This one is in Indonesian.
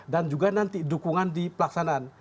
dan juga nanti dukungan di pelaksanaan